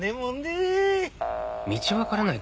道分からない